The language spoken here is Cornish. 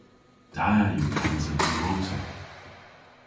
Da yw gansa diwrosa.